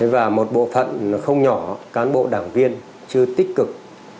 và một bộ phận không nhỏ cán bộ đảng viên chưa tích cực